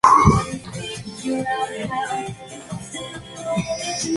La operación del sistema es monitoreado desde el cuarto de control central.